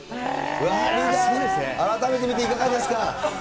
改めて見て、いかがですか。